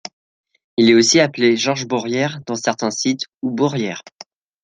Il est aussi appelé Georges Bourrières dans certains sites, ou Bourières.